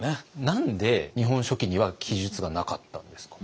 何で「日本書紀」には記述がなかったんですか？